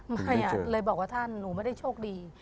ไม่เลยบอกว่าท่านหนูไม่ได้โชคดี